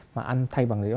mà ăn thay bằng đấy bằng rau